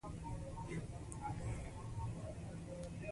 اړتیاوې هم بدلې شوې دي.